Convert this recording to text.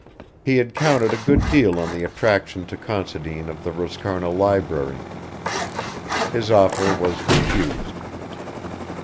He had counted a good deal on the attraction to Considine of the Roscarna library. His offer was refused.